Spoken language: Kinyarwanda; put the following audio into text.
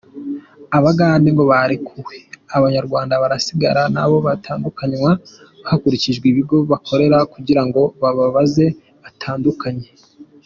Abagande ngo bararekuwe, Abanyarwanda barasigara, nabo batandukanywa hakurikijwe ibigo bakorera kugirango bababaze batandukanye.